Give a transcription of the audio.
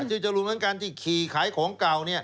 จรูนเหมือนกันที่ขี่ขายของเก่า